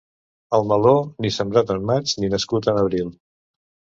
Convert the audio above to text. El meló, ni sembrat en maig ni nascut en abril.